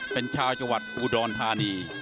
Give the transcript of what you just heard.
เป็นชาวจังหวัดอุดรธานี